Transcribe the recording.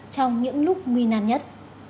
trong những lúc nguy nạn nhất